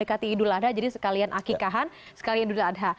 dekati idul adha jadi sekalian akikahan sekalian idul adha